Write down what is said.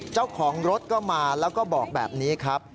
เจ้าของรถก็มาแล้วก็บอกแบบนี้ครับ